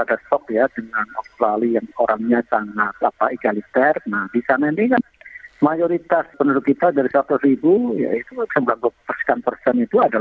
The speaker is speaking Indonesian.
tapi jalannya listrik semuanya